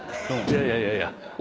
いやいやいやいや。